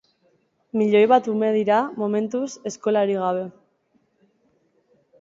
Milioi bat ume dira, momentuz, eskolarik gabe.